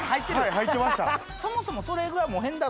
はい入ってました